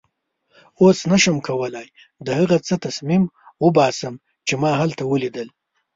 اوس نه شم کولای د هغه څه تصویر وباسم چې ما هلته ولیدل.